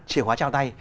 chìa khóa trao tay